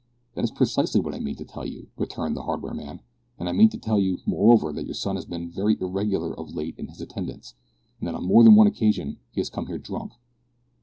"That is precisely what I mean to tell you," returned the hardware man, "and I mean to tell you, moreover, that your son has been very irregular of late in his attendance, and that on more than one occasion he has come here drunk."